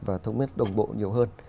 và thống nhất đồng bộ nhiều hơn